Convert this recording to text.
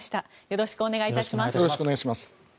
よろしくお願いします。